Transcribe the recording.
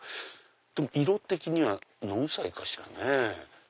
でも色的には野ウサギかしらね。